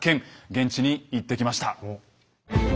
現地に行ってきました。